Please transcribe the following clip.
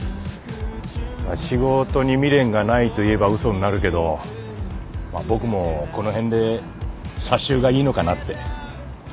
仕事に未練がないと言えば嘘になるけど僕もこの辺でサ終がいいのかなって。